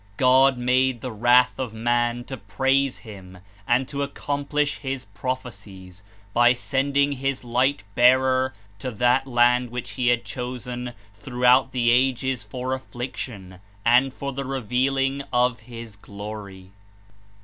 God made the wrath of man to praise him and to accomplish his prophecies, by sending his Light bearer to that land which he had chosen throughout the ages for affliction and for the revealing of his Glory.